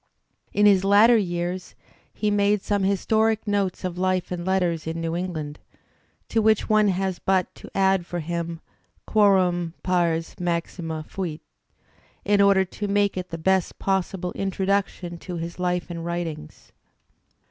In his later years he made some "Historic Notes of Life and Letters in New England," to which one has but to add for him ''quorum pars maxiffmfuit^'' in order to make it the best possible introduction to his life and writings.